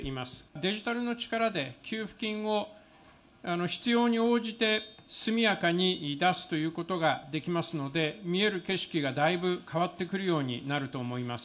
デジタルの力で給付金を、必要に応じて速やかに出すということができますので、見える景色がだいぶ変わってくるようになると思います。